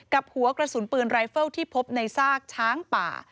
หัวกระสุนปืนรายเฟิลที่พบในซากช้างป่า